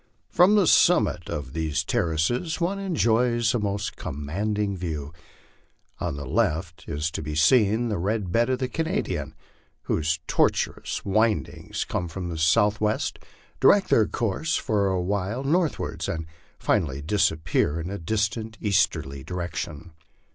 From the summit of these terraces one enjoys a most commanding view. On the left is to be seen the red bed of the Canadian, whose tortuous windings, coming from the south west, direct their course for a while northwards, and finally disappear in a dis tant easterly direction.